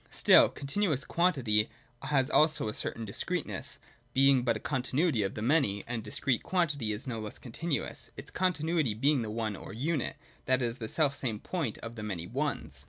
Still continuous quantity has also a certain discreteness, being but a continuity of the Many : and discrete quantity is no less continuous, its continuity being the One or Unit, that is, the self same point of the many Ones.